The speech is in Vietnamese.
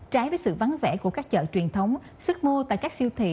trái với sự vắng vẻ của các chợ truyền thống sức mua tại các siêu thị